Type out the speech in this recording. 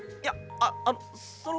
あっあのその。